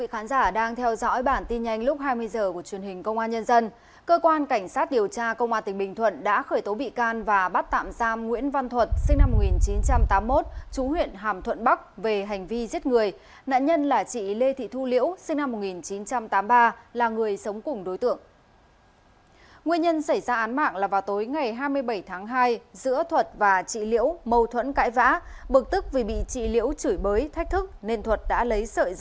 hãy đăng ký kênh để ủng hộ kênh của chúng mình nhé